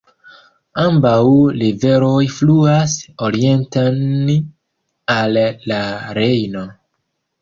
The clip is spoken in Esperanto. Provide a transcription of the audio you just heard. Ambaŭ riveroj fluas orienten al la Rejno.